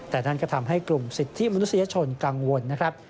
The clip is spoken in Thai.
แต่นั่นก็ทำให้กลุ่มสิทธิมนุษยชนกังวลนะครับ